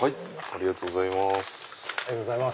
ありがとうございます。